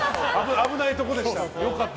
危ないところでした。